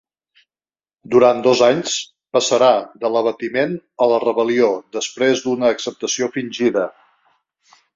Durant dos anys, passarà de l'abatiment a la rebel·lió després d'una acceptació fingida.